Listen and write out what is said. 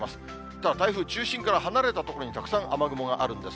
ただ台風中心から離れた所にたくさん雨雲があるんです。